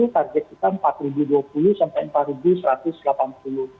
target kita rp empat dua puluh sampai rp empat satu ratus delapan puluh